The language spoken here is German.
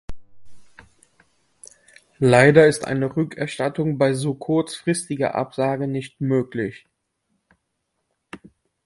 Leider ist eine Rückerstattung bei so kurzfristiger Absage nicht möglich.